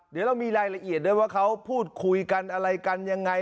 เดี๋ยวเรามีรายละเอียดด้วยว่าเขาพูดคุยกันอะไรกันยังไง